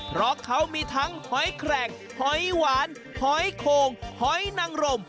เพราะเขามีทั้งหอยแขลงหอยหวานหอยโข่งหอยนังรม